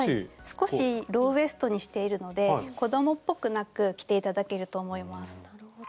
少しローウエストにしているので子どもっぽくなく着て頂けると思います。